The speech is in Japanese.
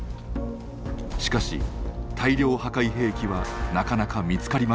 しかし大量破壊兵器はなかなか見つかりませんでした。